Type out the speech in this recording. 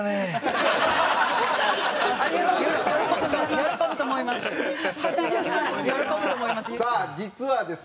喜ぶと思います。